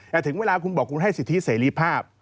แต่ถึงเวลาคุณบอกคุณให้สิทธิเสรีภาพ